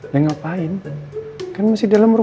ya ngapain kan masih dalam rumah